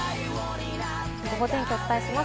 ゴゴ天気、お伝えします。